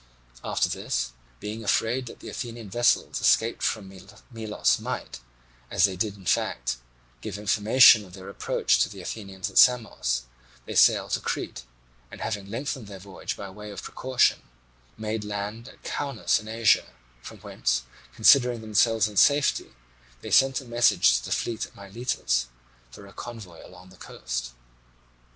After this, being afraid that the Athenian vessels escaped from Melos might, as they in fact did, give information of their approach to the Athenians at Samos, they sailed to Crete, and having lengthened their voyage by way of precaution made land at Caunus in Asia, from whence considering themselves in safety they sent a message to the fleet at Miletus for a convoy along the coast.